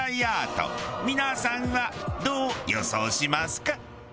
皆さんはどう予想しますか？